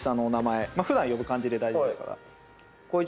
普段呼ぶ感じで大丈夫ですから。